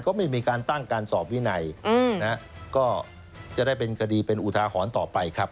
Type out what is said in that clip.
ก็ไม่มีการตั้งการสอบวินัยก็จะได้เป็นคดีเป็นอุทาหรณ์ต่อไปครับ